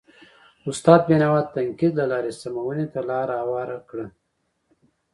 استناد بینوا د تنقید له لارې سمونې ته لار هواره کړه.